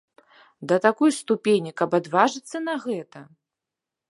Да такой ступені, каб адважыцца на гэта?